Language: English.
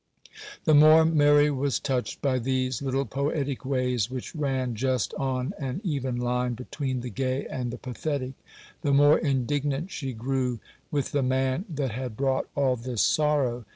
The more Mary was touched by these little poetic ways, which ran just on an even line between the gay and the pathetic, the more indignant she grew with the man that had brought all this sorrow.